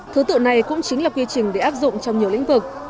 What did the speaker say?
thứ tự này cũng chính là quy trình để áp dụng trong nhiều lĩnh vực